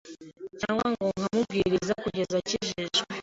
cyangwa ngo nkamubwiriza kugeza akijijwe.